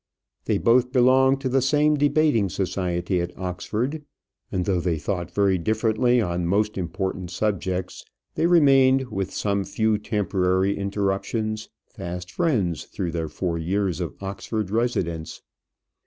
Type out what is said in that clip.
They both belonged to the same debating society at Oxford, and though they thought very differently on most important subjects, they remained, with some few temporary interruptions, fast friends through their four years of Oxford residence.